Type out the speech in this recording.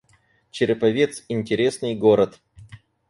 Череповец — интересный город